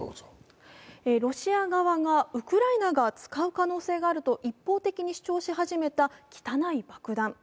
ロシア側がウクライナが使う可能性があると一方的に主張し始めた汚い爆弾。